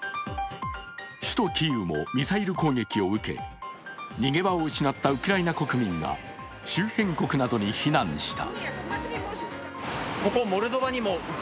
首都キーウもミサイル攻撃を受け逃げ場を失ったウクライナ国民が周辺国などに避難した。